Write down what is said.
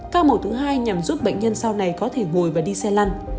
ca mổ thứ hai nhằm giúp bệnh nhân sau này có thể ngồi và đi xe lăn